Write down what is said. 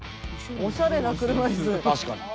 おしゃれな車いす。